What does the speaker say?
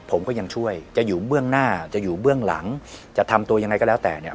ผมก็ยังช่วยจะอยู่เบื้องหน้าจะอยู่เบื้องหลังจะทำตัวยังไงก็แล้วแต่เนี่ย